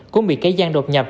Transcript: cũng bị cây gian đột nhập